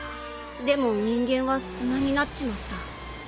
でも人間は砂になっちまった。